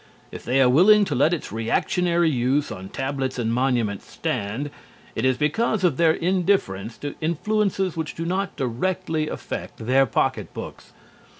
If they are willing to let its reactionary use on tablets and monuments stand it is because of their indifference to influences which do not directly affect their pocketbooks.